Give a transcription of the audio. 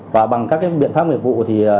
và bằng các biện pháp nguyện vụ thì